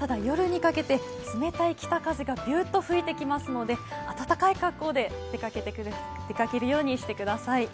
ただ、夜にかけて冷たい北風がビューッと吹いてきますので暖かい格好で出かけるようにしてください。